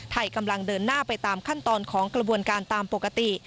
กำลังเดินหน้าไปตามขั้นตอนของกระบวนการตามปกติ